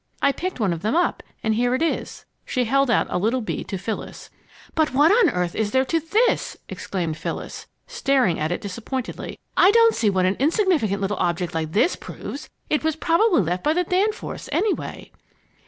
I picked one of them up, and here it is." She held out a little bead to Phyllis. "But what on earth is there to this?" exclaimed Phyllis, staring at it disappointedly. "I don't see what an insignificant little object like this proves. It was probably left by the Danforths, anyway."